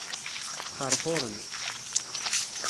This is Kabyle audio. Sxerxuren.